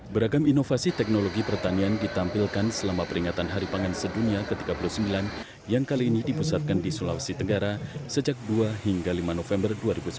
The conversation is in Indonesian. beragam inovasi teknologi pertanian ditampilkan selama peringatan hari pangan sedunia ke tiga puluh sembilan yang kali ini dipusatkan di sulawesi tenggara sejak dua hingga lima november dua ribu sembilan belas